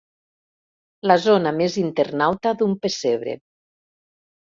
La zona més internauta d'un pessebre.